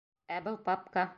Ә был папка!